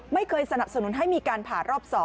ไม่เคยสนับสนุนให้มีการผ่ารอบ๒